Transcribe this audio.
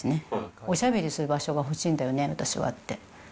おしゃべりする場所が欲しいんだよね、私はって。